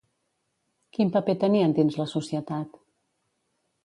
Quin paper tenien dins la societat?